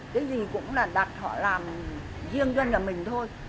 cái gì cũng là đặt họ làm riêng cho là mình thôi